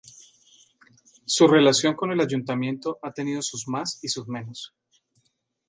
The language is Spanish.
Su relación con el ayuntamiento ha tenido sus más y sus menos.